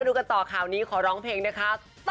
ดูกันต่อข่าวนี้ขอร้องเพลงนะคะ